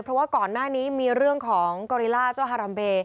เพราะว่าก่อนหน้านี้มีเรื่องของกอริล่าเจ้าฮารัมเบ